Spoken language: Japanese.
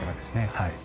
はい。